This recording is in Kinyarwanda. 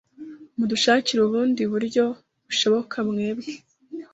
mudushakire ubundi buryo bushoboka mwebwe